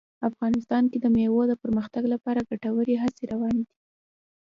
افغانستان کې د مېوو د پرمختګ لپاره ګټورې هڅې روانې دي.